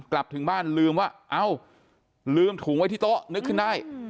กลับถึงบ้านลืมว่าเอ้าลืมถุงไว้ที่โต๊ะนึกขึ้นได้